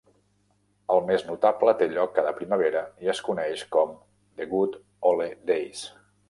El més notable té lloc cada primavera i es coneix com "The Good Ole Days".